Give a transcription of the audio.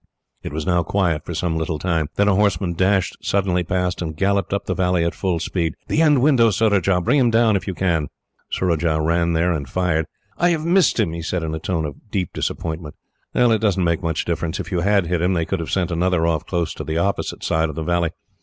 It was now quiet for some little time. Then a horseman dashed suddenly past, and galloped up the valley at full speed. "The end window, Surajah! Bring him down, if you can." Surajah ran there and fired. "I have missed him!" he said, in a tone of deep disappointment. "It does not make much difference. If you had hit him, they could have sent another off close to the opposite side of the valley.